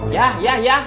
yah yah yah